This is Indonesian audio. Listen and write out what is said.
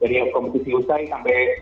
jadi kompetisi usai sampai